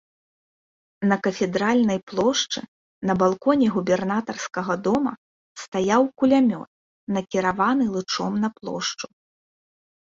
На кафедральнай плошчы, на балконе губернатарскага дома стаяў кулямёт, накіраваны лычом на плошчу.